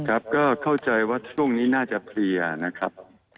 ครับก็เข้าใจว่าช่วงนี้น่าจะเพลียนะครับ